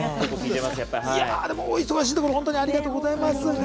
でも、お忙しいところ本当にありがとうございます。